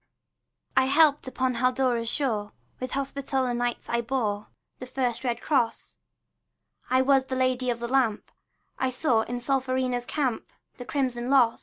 I helped upon Haldora's shore; With Hospitaller Knights I bore The first red cross; I was the Lady of the Lamp; I saw in Solferino's camp The crimson loss.